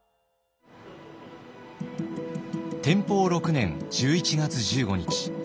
天保６年１１月１５日。